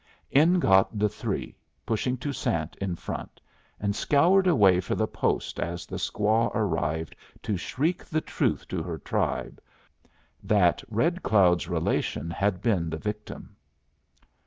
In got the three, pushing Toussaint in front, and scoured away for the post as the squaw arrived to shriek the truth to her tribe what Red Cloud's relation had been the victim.